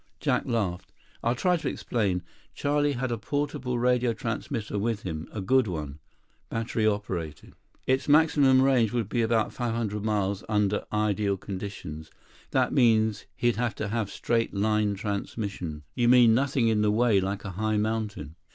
Jack laughed. "I'll try to explain. Charlie had a portable radio transmitter with him. A good one, battery operated. Its maximum range would be about 500 miles under ideal conditions. That means he'd have to have straight line transmission." "You mean nothing in the way, like a high mountain?"